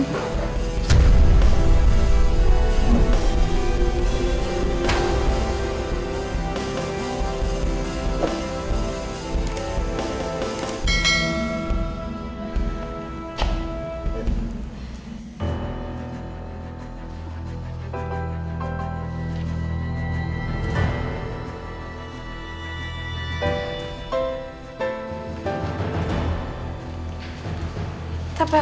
apa yang terjadi